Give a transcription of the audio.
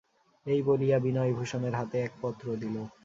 এই বলিয়া বিনয়ভূষণের হাতে এক পত্র দিল।